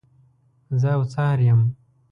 زه اوڅار یم.